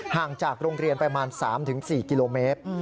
ห่างจากโรงเรียนประมาณ๓๔กิโลเมตร